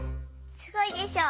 すごいでしょ。